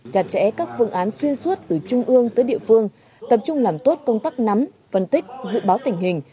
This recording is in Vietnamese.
chặt chẽ các phương án xuyên suốt từ trung ương tới địa phương tập trung làm tốt công tác nắm phân tích dự báo tình hình